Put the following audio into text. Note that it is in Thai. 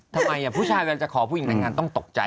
ทำไมผู้ชายเวลาจะขอผู้หญิงในงานต้องตกใจ